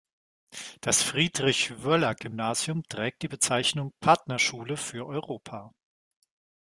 Das Friedrich-Wöhler-Gymnasium trägt die Bezeichnung "Partnerschule für Europa".